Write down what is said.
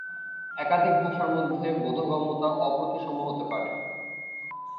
একাধিক ভাষার মধ্যে বোধগম্যতা অপ্রতিসম হতে পারে।